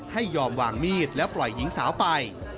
ให้ยอมวางมีดแล้วปล่อยหญิงสาวไป